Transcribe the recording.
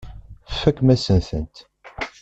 Tfakem-asen-tent.